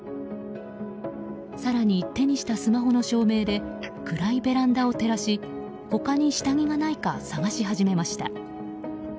更に、手にしたスマホの照明で暗いベランダを照らし他に下着がないか探し始めました。